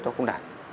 nó không đạt